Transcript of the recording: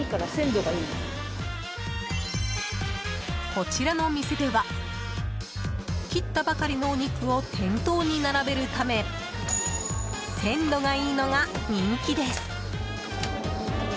こちらの店では切ったばかりのお肉を店頭に並べるため鮮度がいいのが人気です。